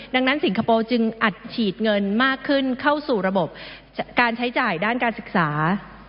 ดังนั้นสิงคโปร์จึงอัดฉีดเงินมากขึ้นเข้าสู่ระบบการใช้จ่ายด้านการศึกษา